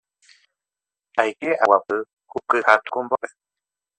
aike aguapy ku kyha tukumbópe